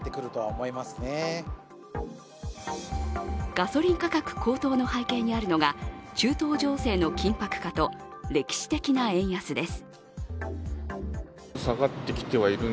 ガソリン価格高騰の背景にあるのが中東情勢の緊迫化と歴史的な円安です。